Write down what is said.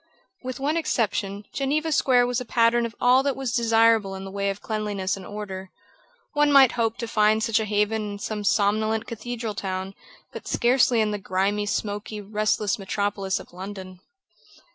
With one exception, Geneva Square was a pattern of all that was desirable in the way of cleanliness and order. One might hope to find such a haven in some somnolent cathedral town, but scarcely in the grimy, smoky, restless metropolis of London.